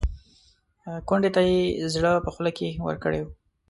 کونډې ته یې زړه په خوله کې ورکړی و.